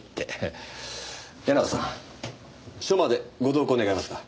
谷中さん署までご同行願えますか。